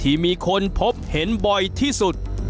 ที่มีคนพบเห็นบ่อยที่สุด